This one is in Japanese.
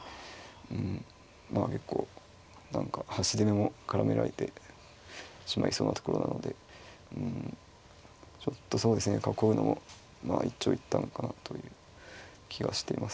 うんまあ結構何か端攻めも絡められてしまいそうなところなのでうんちょっとそうですね囲うのもまあ一長一短かなという気はしています。